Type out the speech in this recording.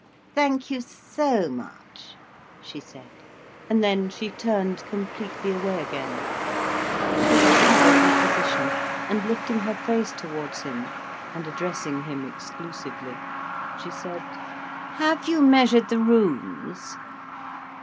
"Thank you so much," she said, and then she turned completely away again. She recovered her position, and lifting her face towards him, and addressing him exclusively, she said: "Have you measured the rooms?"